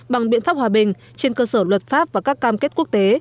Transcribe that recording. bằng biện pháp hòa bình trên cơ sở luật pháp và các cam kết quốc tế